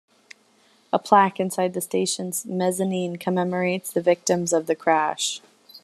A plaque inside the station's mezzanine commemorates the victims of the crash.